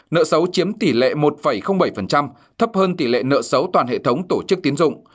nợ xấu chiếm tỷ lệ một bảy thấp hơn tỷ lệ nợ xấu toàn hệ thống tổ chức tiến dụng